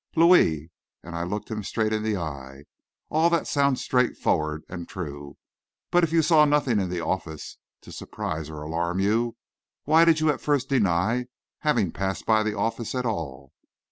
"Louis," and I looked him straight in the eye, "all that sounds straightforward and true. But, if you saw nothing in the office to surprise or alarm you, why did you at first deny having passed by the office at all?"